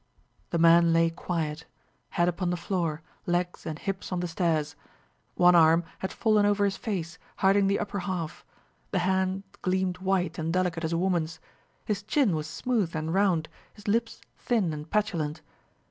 The man lay quiet, head upon the floor, legs and hips on the stairs. One arm had fallen over his face, hiding the upper half. The hand gleamed white and delicate as a woman's. His chin was smooth and round, his lips thin and petulant.